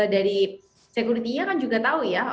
dari sekuritinya kan juga tahu ya